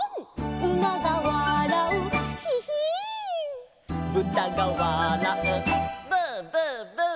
「うまがわらうヒヒーン」「ぶたがわらうブーブーブー」